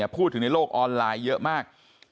พูดถึงในโลกออนไลน์เยอะมาก